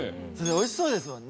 美味しそうですもんね。